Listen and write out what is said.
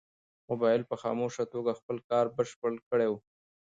موبایل په خاموشه توګه خپل کار بشپړ کړی و.